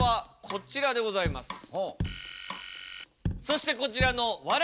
そしてこちらの笑